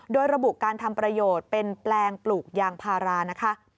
โดยระบุการทำประโยชน์เป็นแปลงปลูกยางพารานะคะ